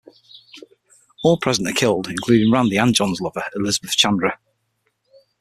All present are killed, including Randy and John's lover, Elizabeth Chandra.